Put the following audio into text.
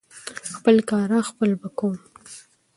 خپل کاره خپل به کوم .